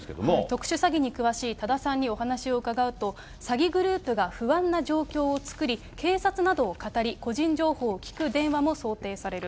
特殊詐欺に詳しい多田さんにお話を伺うと、詐欺グループが不安な状況を作り、警察などをかたり、個人情報を聞く電話も想定される。